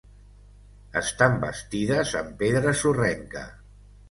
Estan bastides en pedra sorrenca.